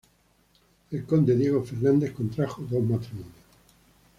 El conde Diego Fernández contrajo dos matrimonios.